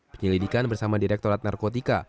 penyelidikan bersama direkturat narkotika